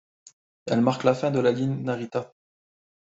Elle marque la fin de la ligne Narita.